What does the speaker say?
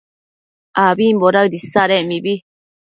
abimbo daëd isadec mibi